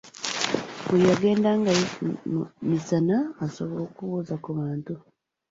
Mu yagendangayo misana, asobole okubuuza ku bantu.